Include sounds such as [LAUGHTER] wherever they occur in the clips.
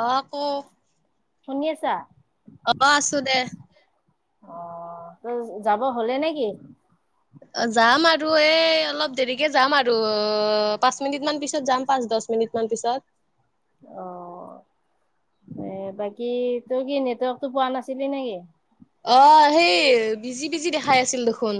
অ ক শুনি আছা? অ আছো দে। অ যাব হ'লে নেকি? অ যাম আৰু এ অলপ দেৰিকে যাম আৰু, অ পাঁচ মিনিট মান পিছত যাম পাঁচ দহ মিনিট পিছত। অ এ বাকী তই কি নেটৱৰ্কতটো পোৱা নাছিলি নেকি? অ সেই বিজি বিজি দেখাই আছিল দেখোন।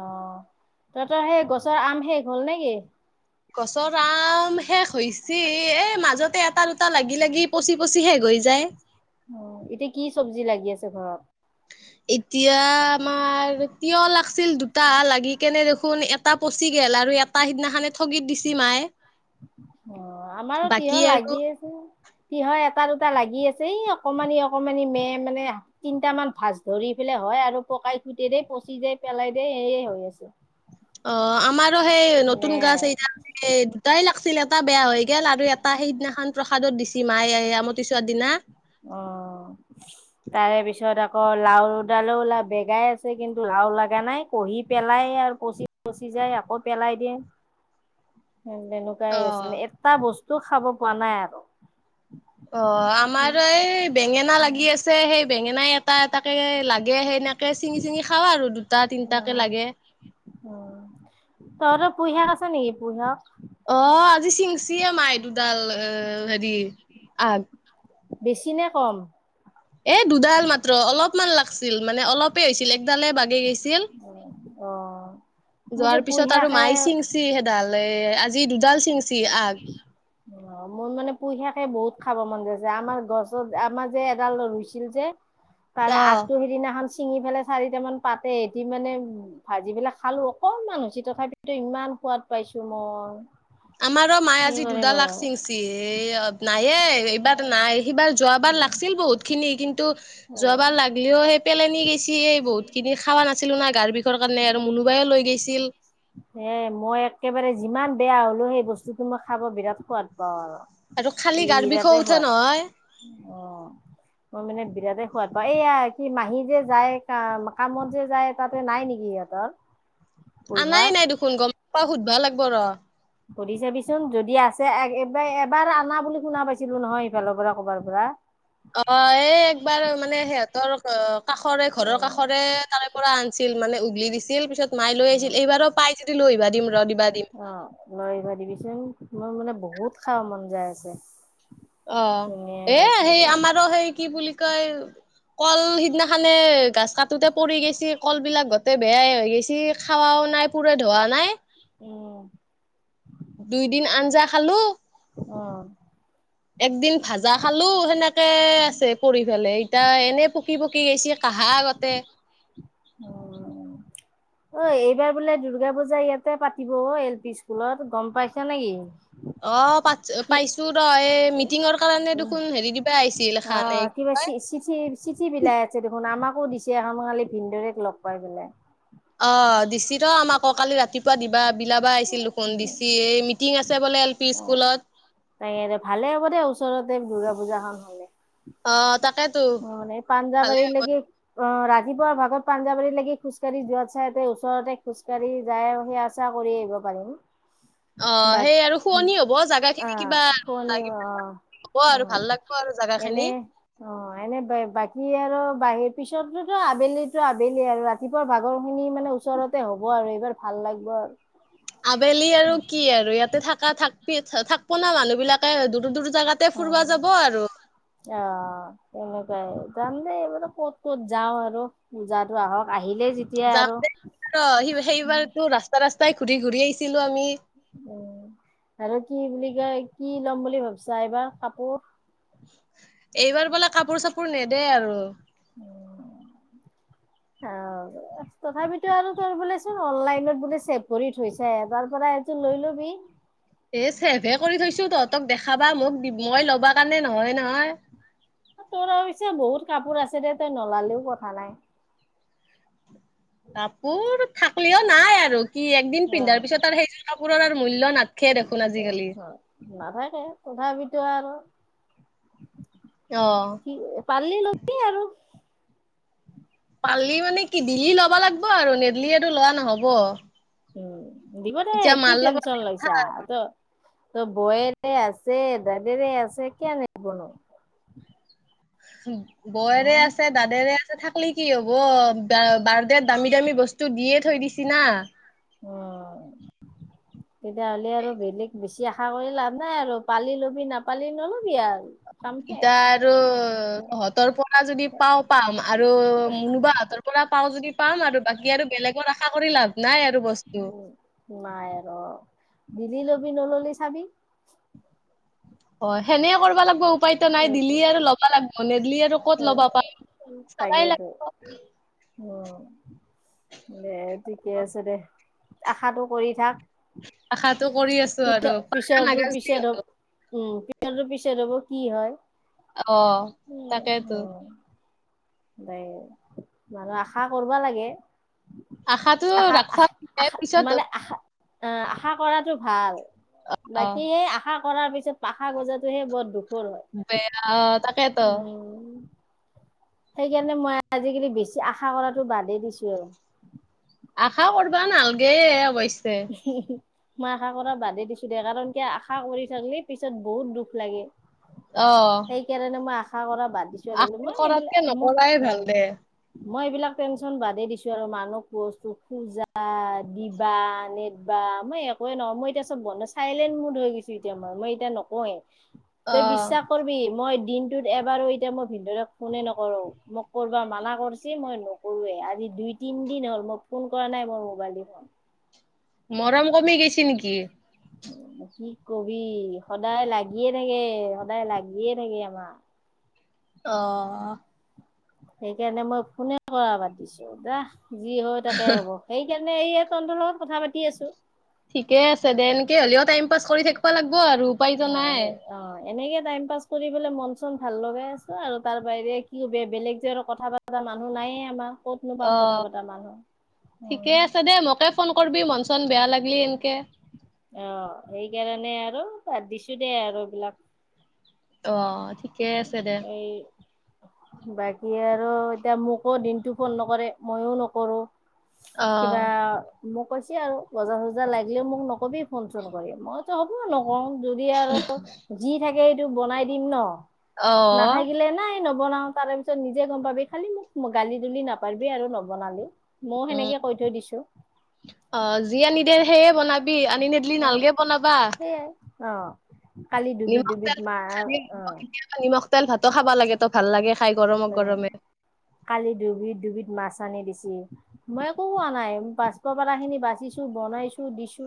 অ তহঁতৰ সেই গছৰ আম শেষ হ'ল নেকি? গছৰ আম শেষ হৈছে এ মাজতে এটা দুটা লাগি লাগি পচি পচি শেষ হৈ যায়। অ এতিয়া কি চব্জি লাগি আছে ঘৰত? এতিয়া আমাৰ তিয় লাগিছিল দুটা লাগি কেনে দেখোন এটা পচি গেল আৰু এটা সিদিনাখান সগীত দিছে মায়ে। অ আমাৰো বাকী তিয়হ আৰু লাগিছে তিয়হ এটা দুটা লাগি আছে। এই অকমানি অকমানি মেন মানে তিনটা মান ভাজ ধৰি পেলাই হয় আৰু পকাই ফুটে দে পচি যায় পেলাই দে সয়ে হৈ আছে। অ আমাৰো সেই নতুন নে গাছ এই এ দুটাই লাগিছিল এটা বেয়া হৈ গেল আৰু এটা সেইদিনাখন প্ৰসাদত দিছ মায় আমতি চোৱাৰ দিনা। অ। তাৰে পিছত আকৌ লাওডালো ওলা বেগাই আছে কিন্তু লাও লগা নাই কহি পেলাই আৰু কচি পচি যায় আকৌ পেলাই দিয়ে। তেনেকুৱাই আছে, মানে অ'। এটা বস্তু খাব পোৱা নাই আৰু। অ আমাৰ এই বেঙেনা লাগি আছে সেই বেঙেনা ইয়াত এটা এটাকে লাগে সেনেকে চিঙি চিঙি খাওঁ আৰু দুটা তিনটাকে লাগে উম তৰ পুহা আছে নেকি পুহা অ আজি চিঙচিয়ে মাই দুডাল এ হেৰি আগ বেছি নে কম এ দুডাল মাত্ৰ অলপমান লাগছিল মানে অলপে হৈছিল একডালে বাগি গৈছিল অ মোৰ যে যোৱাৰ পিছত আৰু পুইশাকে মাই চিঙছি সেইডাল এ আজি দুডাল চিঙছি আগ অ মোৰ মানে পুইশাকে বহুত খাব মন যাইছে আমাৰ গছত আমাৰ যে এডাল ৰুইছিল যে তাৰে অ'। আগতটো সিদিনাখন চিঙি পেলাই চাৰিটামান পাতে সিতি মানে ভাজি পেলাই খালো অকনমান হৈছেি তথাপিতো ইমান সোৱাদ পাইছো মই আমাৰো মায়ে কি আজি কৰিম দুডাল আৰু লাগচিংচি নায়ে এইবাৰ নাই সিবাৰ যোৱাবাৰ লাগছিল বহুত বুত খিনি কিন্তু অ যোৱাবাৰ লাগিলেও সেই পেলনি গেছিে বহুত খিনি খা নাছিলো না গাৰ বিষ কাৰণে আৰু মোনোবাইে লৈ গৈছিল এ মই একেবাৰে যিমান বেয়া হলো সেই বস্তুটো মই খাব বিৰাট সোৱাদ পাওঁ আৰু আৰু খালী গাৰ বিষ বিৰাটেই উঠে সোৱাদ নহয় অ মই মানে বিৰাটেই সোৱাদ পাওঁ এইয়া কি মাহী যে যায় ক কামত যে যায় তাতে নাই নেকি ইহতৰ আ নাই নাই দেখোন গম পা সুধবা লাগিব ৰ সধি চাবিচোন যদি আছে এবাৰ এবাৰ আনা বুলি শুনা পাইছিলো নহয় সফালৰ পৰা কৰ'বাৰ পৰা অ এই একবাৰ মানে সিহঁতৰ অ কাষৰে ঘৰৰ কাষৰে তাৰে পৰা আনিছিল মানে উঘলি দিছিল পিছত মায়ে লৈ উম আহিছিল এইবাৰক পাই যদি লৈ আহিবা দিম ৰ দিবা দিম অ' লৈ ভা দিবিচোন মোৰ মানে বহুত খাব মন যায় আছে অ এ ধুনীয়াকে সেই ভাজি আমাৰো সেই কি বুলি কয় কল সিদিনাখানে গছ কাটোোতে পৰি গৈছি কল বিিলাক গোতে বেয়াই হৈ গৈছি খাৱাও নাই কুৰে ধোৱা নাই উম দুইদিন আঞ্জা খালো অ একদিন ভাজা খালো সেনেকে আছে পৰি ফেলাই ইতা এনে পুখু পকি পকি গৈছে কাঁহা আগতে উম অ এইবাৰ বোলে দুৰ্গা পূজা ইয়াতে পাতিব এল পি স্কুলত গম পাইছা নেকি অ পছ কি পাইছো ৰ এই মিটিঙৰ কাৰণে দেখোন হেৰি দিবা আহিছিল এখান এই বা ছী ছিত চি চিঠি বিলাই আছে দেখোন আমাকো দিছে আম কালি ভিনদৰে লগ পাই পেলাই অ দিছি ৰ আমাক কালি ৰাতিপুৱা দিবা বিলা লাবা আহিছিল দেখোন দিচি এই মিটিং আছে বোলে এল পি অ' স্কুলত তাকে ভালে হ' দে ওচৰতে দুৰ্গা পূজা খন হ অ', তাকেতো অ মানে পাঞ্জা ভালে বাৰি হ'ব লাগি অ ৰাতিপুৱাৰ ভাগত পাঞ্জাৱাৰীত লাগি খোজকাঢ়ি যোৱাত চাইতে ওচৰতে খোজকাঢ়ি যায় সেয়া আ চা কৰি আহিব পাৰিম অ বাট সেই আৰু শুৱনি হব জাগা অ খিনি কিবা শুৱনি অ লাগিব হ'ব অ আৰু ভাল লাগিব আৰু জোগা এনে খিনি অ এনে বাকী আৰু বাহিৰ পিছতোতো আবেলিো আবেলি আৰু ৰাতিপুৱা ভাগৰ খিনি মানে ওচৰতে হ'ব আৰু এইবাৰ ভাল লাগিব আৰু আবেলি আৰু কি আৰু ইয়াতে থাকা থাকবি থাকব না মানুহ বিলাক ত দূৰ দূৰ জেগাতে অ ফুুৰবা যাব আৰু অ এনেকুৱাই যাম দে এইবাৰ ক'ত ক'ত যাওঁ আৰু পূজাটো আহক আহিলে যাম সেইবাৰতো ৰাস্তা ৰাস্তাই ঘূৰি ঘূৰি আহিছিলোঁ আমি। উম, আৰু কি বুলি কয় কি ল'ম বুলি ভাবছা এইবাৰ কাপোৰ? এইবাৰ বোলে কাপোৰ চাপোৰ নেদে আৰু। অ', তথাপিতো আৰু তোৰ বোলে চোন অনলাইনত বোলে ছেভ কৰি থৈছে এবাৰ পৰা এযোৰ লৈ লবি। এ চেভে কৰি থৈছো তহঁতক দেখাবা মোক দি মই লবা কাৰণে নহয় নহয়। তোৰ আৰু পিছে বহুত কাপোৰ আছে দে তই নলালেও কথা নাই। কাপোৰ থাকলেও নাই আৰু কি একদিন পিন্ধাৰ পিছত আৰু সেইযোৰ কাপোৰৰ আৰু মূল্য নাথ নাথাকে তথাপিতো আৰু অ কি পাৰলি লবি আৰু। পাৰলি মানে কি দিলি লবা লাগিব আৰু নেদলিটো লোৱা নহব। উম, দিব দে এতিয়া কি মাৰ লগত টেনচন লৈছা ত'। তোৰ বৌয়েৰে আছে দাদেৰে আছে কিয়া নিদিবনো? বৌয়েৰে উম, আছে দাদেৰে আছে থাকলে কি হব বাৰডেত দামী দামী বস্তু তো দিয়ে থৈ দিছি না। অ', তেতিয়াহ'লে আৰু বেলেগ বেছি আশা কৰি লাভ নাই আৰু পালি ল'বি নাপালি নল'বি আৰ। ই তাৰ আৰু তহঁতৰ পৰা যদি পাওঁ পাম আৰু মুনু বাহঁতৰ পৰা পাওঁ যদি পাম আৰু বাকী আৰু বেলেগৰ আশা কৰি লাভ নাই আৰু বস্তু নাই ৰ' দিলি লবি নললে চাবি হয় সেনে কৰবা লাগব উপায়তো নাই দিলি আৰু ল'বা লাগিব নেদিলি আৰু ক'ত ল'বা পাই চাবাই তাকেতো লাগব উম, দে ঠিকে আছে দে আশাটো কৰি থাক। আশাটো কৰি আছো আৰু পাখা পিছৰটো নাগাজলি পিছত আৰু হব উম, পিছৰটো পিছত হব কি হয়? অ', তাকেইতো। বাই মানুহ আশা কৰবা লাগে। আশাটো আশা ৰাখবা লাগে আশা পিছত মানে আশা অ' আশা কৰাটো ভাল অ বাকি এ আশা কৰাৰ পিছত পাখা গজাটোহে বৰ দুখৰ হয় বেয়া অ তাকেতো উম, সেইকাৰণে মই আজিকালি বেছি আশা কৰাতো বাদেই দিছো আৰু। আশা কৰবা নালগে অৱশ্য। [INAUDIBLE] মই আশা কৰা বাদে দিছো দে কাৰণ কিয়া আশা কৰি থাকলে পিছত বহুত দুখ লাগে। অ', সেইকাৰণে মই আশা কৰা বাদ দিছোঁ। আশা কৰাতকে নকৰাই ভাল দে। মই এইবিলাক টেনচন বাদেই দিছোঁ আৰু মানুহক বস্তু খোজা দিবা নেদবা মই একোৱেই নহয় মই এতিয়া চব বন চাইলেণ্ট মুড হৈ গৈছোঁ এতিয়া মই, মই এতিয়া নকওঁৱেই। অ তে বিশ্বাস কৰবি মই দিনটোত এবাৰো এতিয়া মই ভিনদৈৰে ফোনে নকৰো মোক কৰবা মানা কৰছি মই নকৰুৱে আজি দুই তিন দিন হল মই ফোন কৰা নাই মোৰ মোবাইল দি মৰম কমি গৈছে নেকি? কি কবি সদায় লাগিয়ে থাকে সদায় লাগিয়ে থাকে আমাৰ অ', সেইকাৰণে মই ফোনে কৰা বাদ দিছোঁ যা, যি হয় তাকে হ'ব। সেইকাৰণে এই তন্তৰ লগত কথা পাতি আছোঁ। ঠিকে আছে দেনকে হ'লেও টাইম পাছ কৰি থাকিব লাগিব আৰু। উপায়তো ন, নাই সেই। অ, এনেকে টাইম পাছ কৰিেললে মন চন ভাল লগাই আছো আৰু তাৰ বাহিৰে কি বেলেগ যে কথা। ক, পা মানুহ নায়য়ে আমাৰ ক'ত অ নোপাম কথা পতা মানুহ উম, ঠিকে আছে দে, মোকে। ফোন কৰি মন চন বেয়া লাগলি এনকে। অ, সেইকাৰণে আৰু বাদ দিছো দেই আৰু এইবলাক। অ, ঠিক। এই, বাকী আৰু এতিয়া মোকো দিনতটো ফোন নকৰে মইও নকৰো। অ কিবা, মোক কৈছে আৰু বজাৰ চজাৰ লাগিলেও মোক নকবি ফোন চোন কৰি মই। হ'ব নকওঁ যদি আৰু যি থাকে সেইটো বনাই দিম ন, অ নাথাকিলে নাই ন। বনাও তাৰ পিছত নিজে গম পাবি খালি মোক গালি দুলি নাপাবিবি আৰু নবনালি। ময়ও সেনেকে কৈ থৈ দিছো। অ, যি আনি দে সেয়ে বনাবি আনি নিদিলি অ' নালকে বনাবা। সেইয়াই অ, কালি ডুবি নিমখ ডুবিত তেল মাৰ চাগে অ, কেতিয়াবা নিমখ তেল ভাতো খাবা লাগে তো ভাল লাগে খাই গৰমে অ' গৰমে। কালি ডুবি ডুবিধ মাছ আনি দিছে। মই একো হোৱা নাই পাছপ পৰালা খিনি বাচিছো বনাইছো দিছো।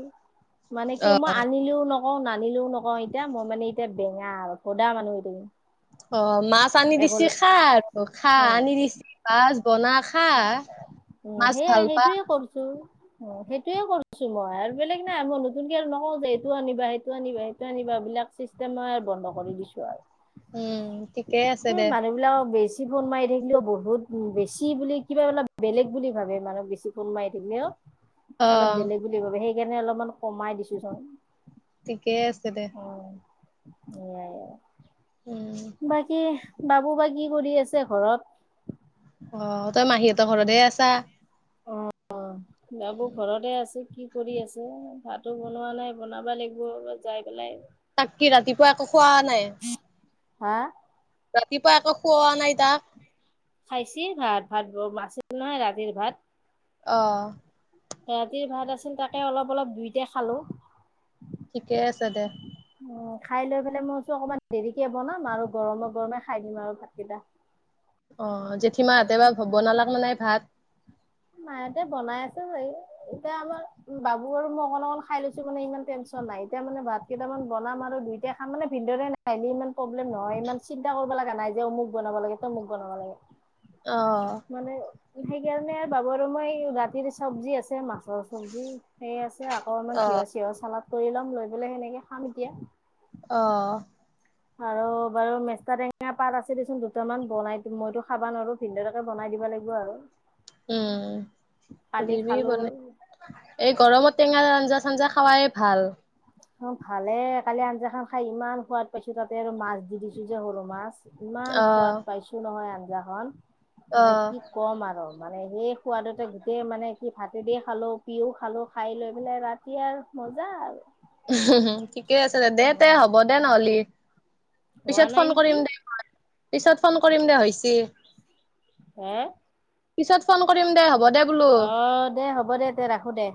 মানে কি অ মই আনিলিও নক অ, নানিলোও নকওঁ এতিয়া মই মানে এতিয়া বেঙা আৰু সদা মানুহ এ থাকম। অ, মাছ আনি দিছে খা, আৰু খা, আনি দিছে মাছ বনা খা। উ, মাছ সেইয়াই ভাল পা সেইটোয়ে কৰছো। অ, সেইটোয়ে কৰিছো মই আৰু বেলেগ নাই মই নতুনকে আৰু নকওঁ যে এইটো আনিবা সেইটো আনিবা সেইটো আনিবা বিলাক। চিচটেম বন্ধ কৰি দিছো আৰু উম ঠিকে আছে স, দে মানুহ বিলাকক বেছি। ফোন মাৰি থাকিলেও বহুত বেছি বুলি। কিবা অলপ বেলেগ বুলি ভাবে মানুহক বেছি কোন মাই থাকিলে, অ অলপ বেলেগ। বুলি ভাবে সেইকাৰণে অলপমান কমাই দিছো চ ঠিকেই আছে দে। উ এয়াই। উম, বাকী বাবু বা কি কৰি আছে ঘৰত। অ, তই মাহীহঁতৰ ঘৰতে আছা। অ, বাবৌ ঘৰতে আছে কি কৰি আছে ভাতো বনোৱা নাই বনাবা লাগিব অ যাই পেলাই। তাক কি ৰাতিপুৱা একো খোৱা নাই। হা, ৰাতিপুৱা আকো খওঁৱা নাই তাক। খাইছেি ভাত ভাত ব আছিল নহয় ৰাতিৰ ভাত। অ, ৰাতিৰ ভাত আছিল তাকে অলপ অলপ দুইতে খালো। ঠিকে আছে দে। উ, খাই লৈ পেলাই মই অকমান দেৰিকে বনাম আৰু গৰমে গৰমে খাই দিম আৰু ভাতকেইটা। অ, জেঠীমাহাতে বা বনালাক মানে ভাত। মায়হতে বনাই আছে চাগ এতিয়া আমাৰ বাবু আৰু মই অকন অকন খাই লৈছো মানে ইমান টেনশ্যন নাই এতিয়া মানে ভাত। কেইটামান বনাম আৰু দুইটা খাম মানে ভিনদৰে নাহিলি ইমান প্ৰব্লেম নহয় ইমান চিন্তা কৰিব লগা নাই যে অমুক বনাব লাগে। কি দুখ টকা লাগে অ মানে সেইকাৰণে বাবু আৰু মই ৰাতিৰ চব্জি আছে মাছৰ চবজি সেই আছে আকৌ অমান তিহৰ চিঁহৰ চালাদ কৰি ল'ম লৈ পেলাই সেনেকে খাম এতিয়া অ আৰু বাৰু মেস্টা টেঙা পাত আছে দে চোন দুটামান বনাই দিম মইতো খাবা নোৱাৰো ভিন্দলৈকে বনাই দিব লাগিব আৰু উম কালি দিবি বনাই খালো এই গৰমত টেঙা আঞ্জা চাঞ্জা খোৱাই ভাল অ ভালে কালি আঞ্জা খান খাই ইমান সোৱাদ পাইছো তাতে আৰু মাছ দি দিছো যে সৰু মাছ ইমান অ', সোৱাদ পাইছো নহয় আঞ্জাখন অ'। মানে কি ক'ম আৰু মানে সেই সোৱাদতে গোটেই মানে কি ভাতেদি খালোঁ পিও খালোঁ খাই লৈ পেলাই ৰাতি এতিয়া আৰু মজা আৰু ঠিকে আছে দে দে উম, হ'ব দে নহ'লি হোৱা পিছত নাই ফোন নেকি কৰিম দে পিছত ফোন কৰিম দে হৈছে হে পিছত ফোন কৰিম দে হ'ব দে বোলো। অ দে হ'ব দে দে ৰাখো দে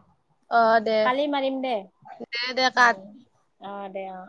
অ', দে, কালি মাৰিম দে দে দে কাত হয়, দে অ'!